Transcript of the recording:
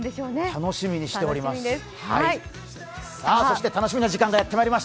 楽しみにしております。